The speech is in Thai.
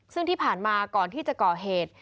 ซึ่งที่ผ่านมาก่อนที่จะก่อเหตุ